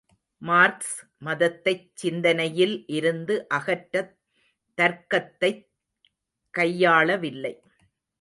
Marks மதத்தைச் சிந்தனையில் இருந்து அகற்றத் தர்க்கத்தைக் கையாளவில்லை.